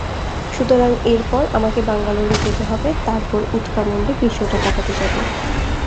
সুতরাং এরপর আমাকে বাঙ্গালোরে যেতে হবে, তারপর উতকামণ্ডে গ্রীষ্মটা কাটাতে যাব।